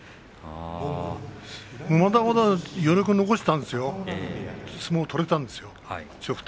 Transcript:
まだまだ余力を残していたんですよ、相撲が取れたんですよ、強くて。